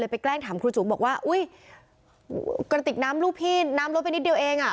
ไปแกล้งถามครูจุ๋มบอกว่าอุ้ยกระติกน้ำลูกพี่น้ำลดไปนิดเดียวเองอ่ะ